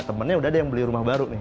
temennya udah ada yang beli rumah baru nih